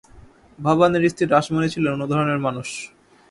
ভবানীর স্ত্রী রাসমণি ছিলেন অন্য ধরনের মানুষ।